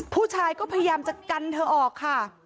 ผู้ชายก็พยายามจะกันเธอออกค่ะ